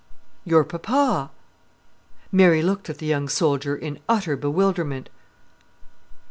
"Your papa." Mary looked at the young soldier in utter bewilderment.